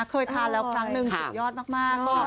เคยทานแล้วครั้งหนึ่งสุดยอดมาก